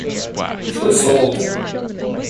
She looks old.